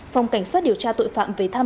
phòng cảnh sát điều tra tội phạm